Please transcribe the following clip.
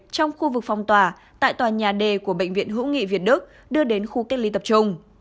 trong khu vực phong tỏa tại tòa nhà d của bệnh viện hữu nghị việt đức đưa đến khu cách ly tập trung